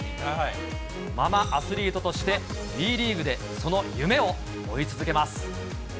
ママアスリートとしてＷＥリーグでその夢を追い続けます。